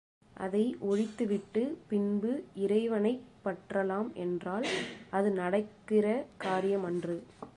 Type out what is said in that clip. அதை ஒழித்து விட்டு பின்பு இறைவனைப் பற்றலாம் என்றால் அது நடக்கிற காரியம் அன்று.